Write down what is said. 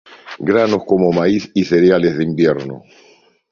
Granos como maíz y cereales de invierno.